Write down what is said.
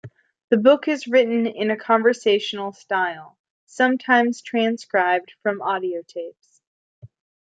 The book is written in a conversational style, sometimes transcribed from audiotapes.